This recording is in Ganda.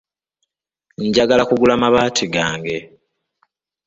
Njagala kugula mabaati gange.